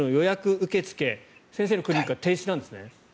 受け付け先生のクリニックは停止なんですね。